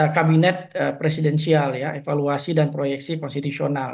kabinet presidensial ya evaluasi dan proyeksi konstitusional